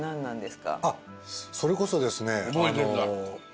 それこそですね